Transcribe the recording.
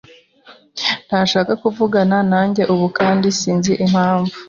Ntashaka kuvugana nanjye ubu, kandi sinzi impamvu.